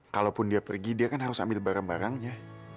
kalaupun dia pergi dia kan harus ambil barang barangnya